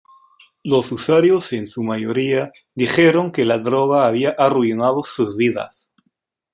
Los usuarios en su mayoría dijeron que la droga había arruinado sus vidas.